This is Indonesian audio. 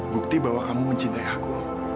bukti bahwa kamu mencintai aku